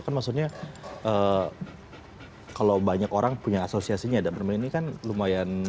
kan maksudnya kalau banyak orang punya asosiasinya dan bermain ini kan lumayan